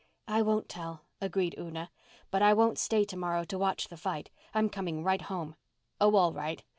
"I won't tell," agreed Una. "But I won't stay to morrow to watch the fight. I'm coming right home." "Oh, all right.